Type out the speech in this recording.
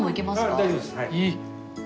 大丈夫ですはい。